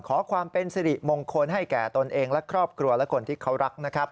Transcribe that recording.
ขอความเป็นสิริมงคลให้แก่ตนเองและครอบครัวและคนที่เขารักนะครับ